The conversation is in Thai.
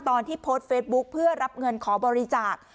ตอนที่โพสต์เฟซบุ๊คเพื่อรับเงินขอบริจาค